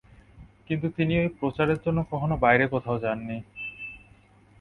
কিন্তু তিনি ঐ প্রচারের জন্য কখনও বাইরে কোথাও যাননি।